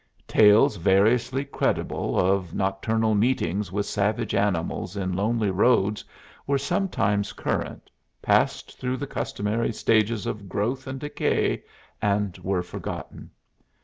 Tales variously credible of nocturnal meetings with savage animals in lonely roads were sometimes current, passed through the customary stages of growth and decay, and were forgotten.